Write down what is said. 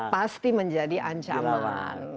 pasti menjadi ancaman